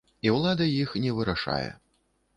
І ўлада іх не вырашае.